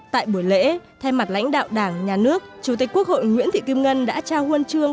tại buổi lễ thay mặt lãnh đạo đảng nhà nước chủ tịch quốc hội nguyễn thị kim ngân đã trao huân chương